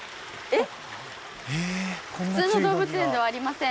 えっ？